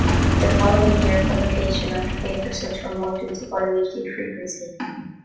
The following year, publication of the paper switched from monthly to bi-weekly frequency.